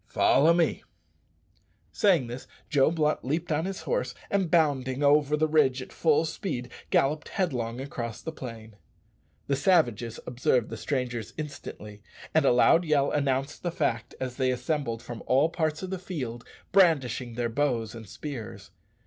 Follow me." Saying this, Joe Blunt leaped on his horse, and, bounding over the ridge at full speed, galloped headlong across the plain. The savages observed the strangers instantly, and a loud yell announced the fact as they assembled from all parts of the field brandishing their bows and spears.